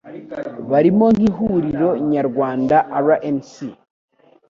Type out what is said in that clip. barimo nk'Ihuriro Nyarwanda RNC